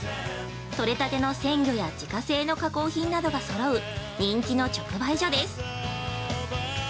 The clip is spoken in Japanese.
とれたての鮮魚や自家製の加工品などが揃う人気の直売所です。